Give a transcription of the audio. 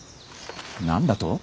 何だと。